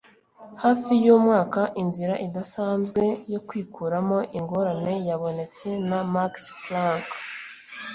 Hafi yumwaka inzira idasanzwe yo kwikuramo ingorane yabonetse na Max Planck